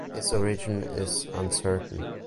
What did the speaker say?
His origin is uncertain.